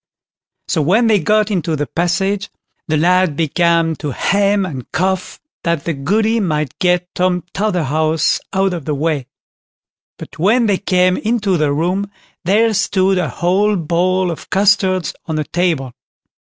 So when they got into the passage, the lad began to hem and cough, that the Goody might get Tom Totherhouse out of the way. But when they came into the room, there stood a whole bowl of custards on the table.